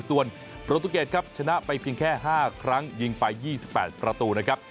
ส่วนโปรตูเกตครับชนะไปเพียงแค่๕ครั้งยิงไป๒๘ประตูนะครับ